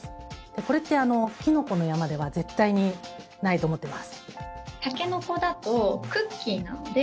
これって、きのこの山では絶対にないと思ってます。